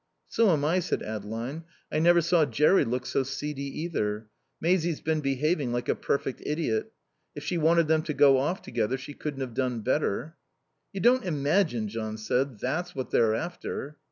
"So am I," said Adeline. "I never saw Jerry look so seedy, either. Maisie's been behaving like a perfect idiot. If she wanted them to go off together she couldn't have done better." "You don't imagine," John said, "that's what they're after?"